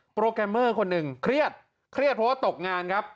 โปรแกรมเมอร์คนหนึ่งเครียดเครียดเพราะว่าตกงานครับ